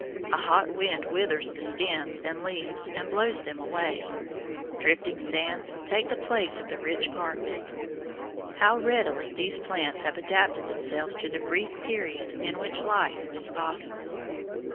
A hot wind withers the stems and leaves and blows them away; drifting sands take the place of the rich carpet. How readily these plants have adapted themselves to the brief period in which life is possible!